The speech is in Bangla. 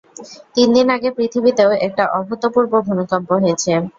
তিনদিন আগে পৃথিবীতেও একটা অভূতপূর্ব ভূমিকম্প হয়েছে।